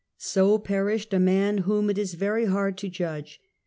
So perished a man whom it is very hard to judge.